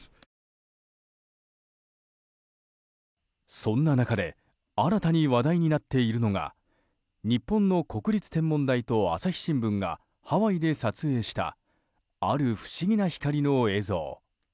そんな中で新たに話題になっているのが日本の国立天文台と朝日新聞がハワイで撮影したある不思議な光の映像。